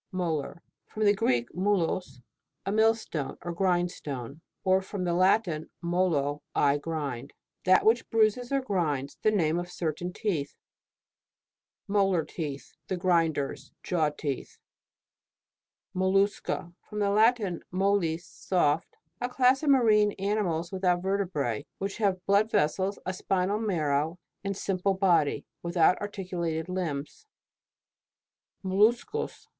MOLAR. From the Greek, mvlos, a millstone, or grindstone ; or from the Latin, moZo, I grind. That which bruises or grinds. The name of certain teeth. MOLAR TEETH The grinders. Jaw teeth. MOLLUSCA. From the Latin, mollis, soft. A class of marine animals without vertebrae, which have blood vessels, a spinal marrow, and a sim ple body, without articulated limbs. MOLLUSCOUS.